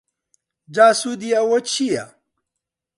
جا سوودی ئەوە چیە؟